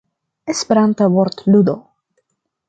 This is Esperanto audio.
Esperanta vortludo.